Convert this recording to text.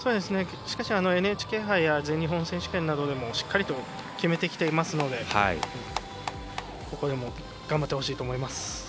しかし、ＮＨＫ杯や全日本選手権でもしっかりと決めてきていますので頑張ってほしいと思います。